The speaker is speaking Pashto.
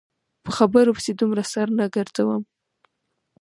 په خبرو پسې دومره سر نه ګرځوم.